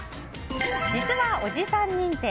実はおじさん認定？